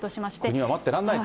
国は待ってられないと。